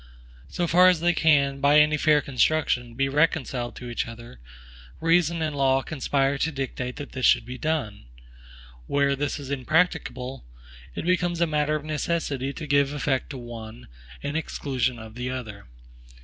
So far as they can, by any fair construction, be reconciled to each other, reason and law conspire to dictate that this should be done; where this is impracticable, it becomes a matter of necessity to give effect to one, in exclusion of the other.